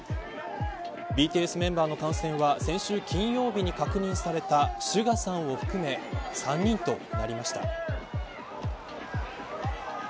ＢＴＳメンバーの感染は先週金曜日に確認されたＳＵＧＡさんを含め３人となりました。